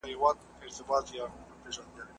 تاسو باید دا کیسه په غور ولولئ.